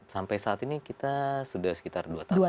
sampai saat ini kita sudah sekitar dua tahun